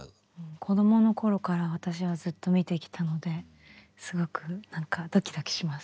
子供の頃から私はずっと見てきたのですごくなんかドキドキします。